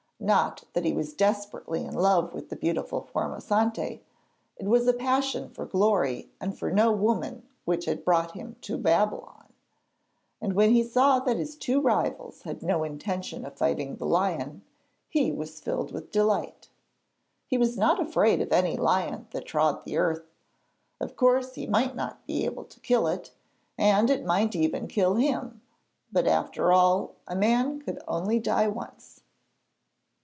Not that he was desperately in love with the beautiful Formosante; it was a passion for glory and for no woman which had brought him to Babylon, and when he saw that his two rivals had no intention of fighting the lion, he was filled with delight. He was not afraid of any lion that trod the earth; of course, he might not be able to kill it, and it might even kill him, but after all, a man could only die once.